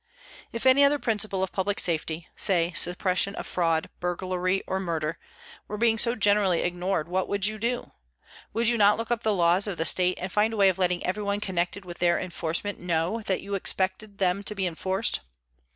_ If any other principle of public safety say suppression of fraud, burglary or murder was being so generally ignored, what would you do? Would you not look up the laws of the state and find a way of letting everyone connected with their enforcement know that you expected them to be enforced?